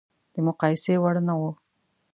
د مقایسې وړ نه و.